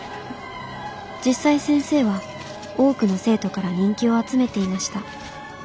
実際先生は多くの生徒から人気を集めていました。